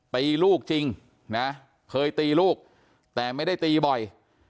ตีลูกจริงนะเคยตีลูกแต่ไม่ได้ตีบ่อย